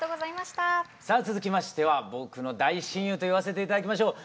さあ続きましては僕の大親友と言わせて頂きましょう。